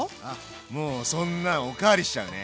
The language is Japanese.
もうそんなんお代わりしちゃうね。